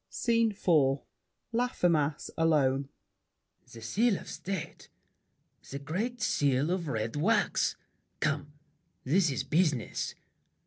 SCENE IV LAFFEMAS (alone). The seal of State! The great seal of red wax! Come! this is business.